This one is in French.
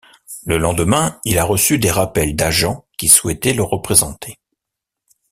Le lendemain, il a reçu des rappels d'agents qui souhaitaient le représenter.